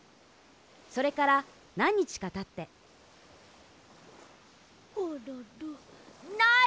それからなんにちかたってホロロない！